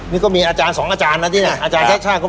นี่ก็มีอาจารย์สองอาจารย์นะอาจารย์แท็กชาติ